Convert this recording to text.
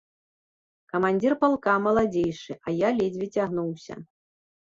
Камандзір палка маладзейшы, а я ледзьве цягнуўся.